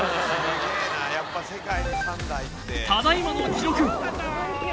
ただいまの記録